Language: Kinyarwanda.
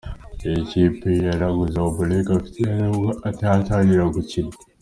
Iyi kipe yanaguze Ombolenga Fitina nubwo ataratangira gukina.